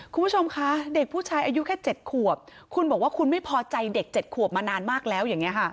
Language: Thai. คุณผู้ชมคะเด็กผู้ชายอายุแค่๗ขวบคุณบอกว่าคุณไม่พอใจเด็ก๗ขวบมานานมากแล้วอย่างนี้ค่ะ